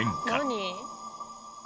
何？